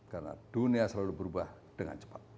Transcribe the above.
karena dunia selalu berubah dengan cepat